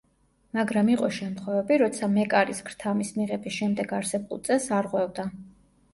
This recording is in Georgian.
მაგრამ იყო შემთხვევები, როცა მეკარის ქრთამის მიღების შემდეგ არსებულ წესს არღვევდა.